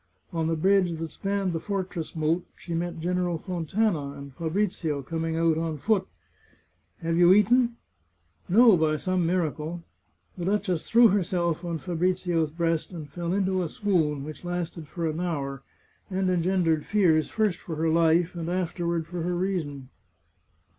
On the bridge that spanned the fortress moat she met General Fontana and Fabrizio coming out on foot. " Have you eaten ?"" No, by some miracle." The duchess threw herself on Fabrizio's breast, and fell into a swoon, which lasted for an hour, and engendered fears, first for her life, and afterward for her reason.